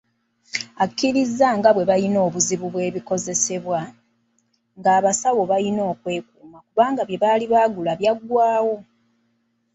Akkiriza nga bwe balina obuzibu bw'ebikozesebwa, ng'abasawo balina okwekuuma kubanga bye baali baagula byaggwaawo.